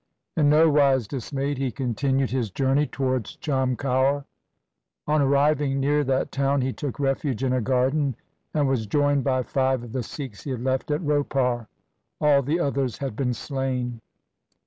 In no wise dismayed he continued his journey towards Chamkaur. On arriving near that town he took refuge in a garden, and was joined by five of the Sikhs he had left at Ropar. All the others had been slain.